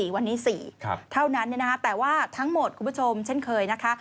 วันนี้๔เท่านั้นแต่ว่าทั้งหมดคุณผู้ชมเช่นเคยนะคะ